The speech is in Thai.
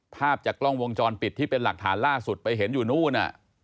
ภาพจากกล้องวงจรปิดที่เป็นหลักฐานล่าสุดไปเห็นอยู่นู่น